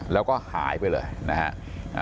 แล้วก็หายไปเลยนะฮะ